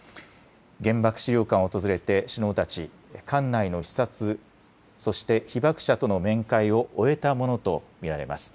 原爆資料館を訪れて首脳たち、館内の視察、そして被爆者との面会を終えたものと見られます。